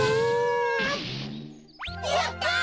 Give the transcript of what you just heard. やった！